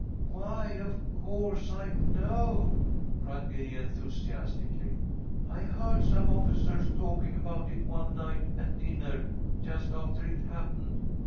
"Why, of course, I know," cried Gay, enthusiastically. "I heard some officers talking about it one night at dinner just after it happened.